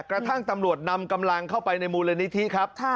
กระทั่งตำรวจนำกำลังเข้าไปในมูลนิธิครับ